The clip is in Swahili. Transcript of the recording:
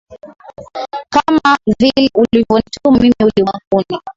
Kama vile ulivyonituma mimi ulimwenguni